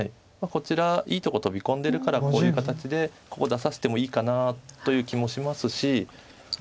こちらいいとこ飛び込んでるからこういう形でここ出させてもいいかなという気もしますし。